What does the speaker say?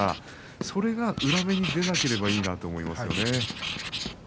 それが裏目に出なければいいなというふうに思います。